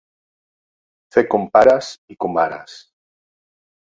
Fer compares i comares.